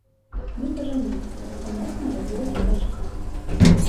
Мы пажаніліся, у нас нарадзілася дачка.